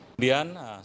kemudian saya juga sama